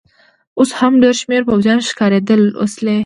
اوس هم ډېر شمېر پوځیان ښکارېدل، وسلې.